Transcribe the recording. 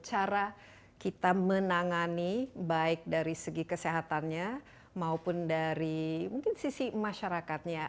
cara kita menangani baik dari segi kesehatannya maupun dari mungkin sisi masyarakatnya